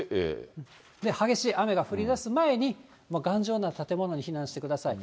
激しい雨が降りだす前に、頑丈な建物に避難してください。